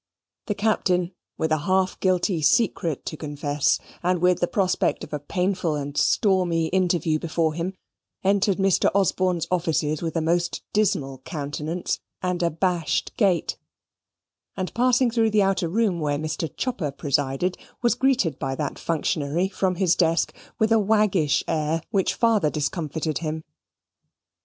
The Captain, with a half guilty secret to confess, and with the prospect of a painful and stormy interview before him, entered Mr. Osborne's offices with a most dismal countenance and abashed gait, and, passing through the outer room where Mr. Chopper presided, was greeted by that functionary from his desk with a waggish air which farther discomfited him.